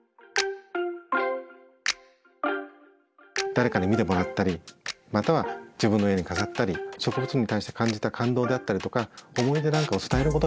誰かに見てもらったりまたは自分の家に飾ったり植物に対して感じた感動であったりとか思い出なんかを伝えることができる。